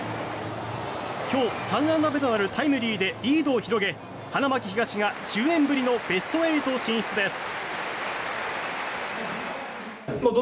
今日、３安打目となるタイムリーでリードを広げ花巻東が１０年ぶりのベスト８進出です。